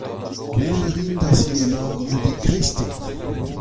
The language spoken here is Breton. Mont a rin d'ar sinema goude kreisteiz.